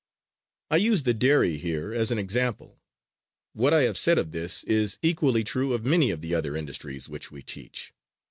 I use the dairy here as an example. What I have said of this is equally true of many of the other industries which we teach.